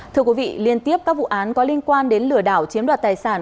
thưa quý vị liên tiếp các vụ án có liên quan đến lừa đảo chiếm đoạt tài sản